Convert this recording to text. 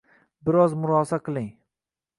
Bir oz murosa qiling.